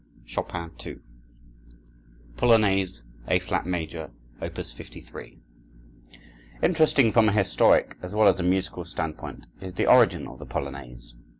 Chopin: Polonaise, A Flat Major, Op. 53 Interesting from a historic as well as a musical standpoint is the origin of the polonaise.